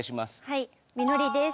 はいみのりです